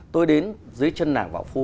tôi đến dưới chân nàng vọng phu